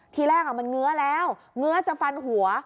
ทีแรกมันเงื้อแล้วเงื้อจะฟันหัว